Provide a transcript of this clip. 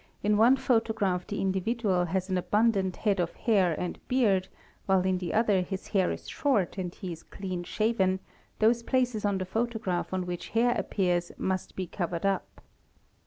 in one photograph the individual has an abundant head of hair and beard while in the other his hair is short and he is clean — shaven, those places on the photograph on which hair appears must be covered up.